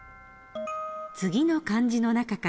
次の漢字の中から